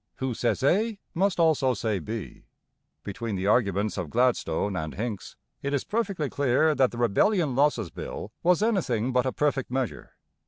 Who says A must also say B. Between the arguments of Gladstone and Hincks it is perfectly clear that the Rebellion Losses Bill was anything but a perfect measure.